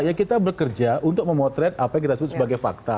ya kita bekerja untuk memotret apa yang kita sebut sebagai fakta